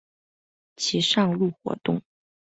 其上路活动。